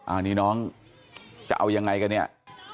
อันนี้น้องจะเอายังไงกันเนี่ย